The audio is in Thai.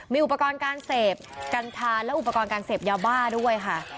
มีอุปกรณ์การเสพกัญชาและอุปกรณ์การเสพยาบ้าด้วยค่ะ